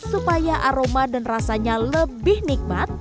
supaya aroma dan rasanya lebih nikmat